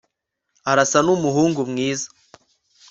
arasa numuhungu mwiza